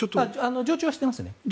常駐はしてますね。